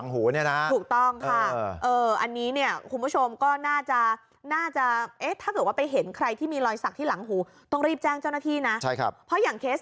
ผู้ชมก็น่าจะน่าจะเอ๊ะถ้าเกิดว่าไปเห็นใครที่มีลอยศักดิ์ที่หลังหูต้องรีบแจ้งเจ้าหน้าที่นะใช่ครับเพราะอย่างเคส